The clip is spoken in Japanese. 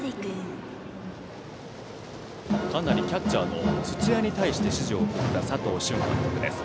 キャッチャーの土屋に対して指示を送った佐藤俊監督です。